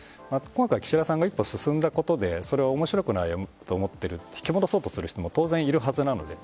岸田さんが一歩進んだことでそれを面白くないと思っている引き落とそうとする人もいると思うんです。